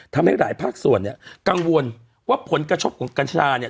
ทำให้หลายภาคส่วนเนี่ยกังวลว่าผลกระทบของกัญชาเนี่ย